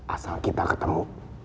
asal kita ketemu